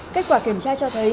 kết quả kiểm tra cho thấy